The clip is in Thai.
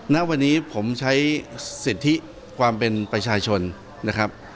ณวันนี้ผมใช้สิทธิความเป็นประชาชนนะครับ